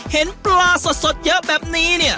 เห็นปลาสดเยอะแบบนี้เนี่ย